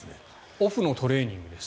オフのトレーニングです。